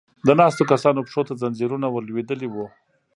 د ناستو کسانو پښو ته ځنځيرونه ور لوېدلې و.